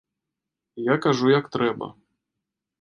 Я кажу як трэба.